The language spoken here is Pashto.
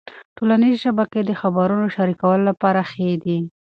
ټولنيزې شبکې د خبرونو شریکولو لپاره ښې دي.